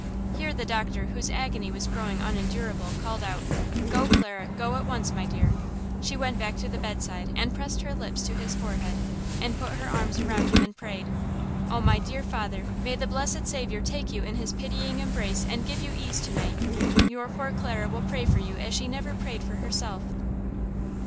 Here the doctor, whose agony was growing unendurable, called out: "Go, Clara, go at once, my dear." She went back to the bedside and pressed her lips to his forehead, and put her arms around him and prayed: "Oh, my dear father, may the blessed Saviour take you in his pitying embrace and give you ease to night. Your poor Clara will pray for you as she never prayed for herself."